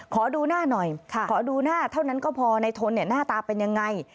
ขอดูหน้าหน่อยขอดูหน้าเท่านั้นก็พอในทนหน้าตาเป็นยังไง